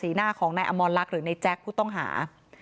หน้าของนายอมรลักษณ์หรือในแจ๊คผู้ต้องหา